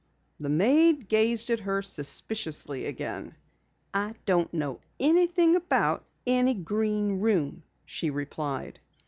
The maid gazed at her suspiciously again. "I don't know anything about any Green Room," she replied.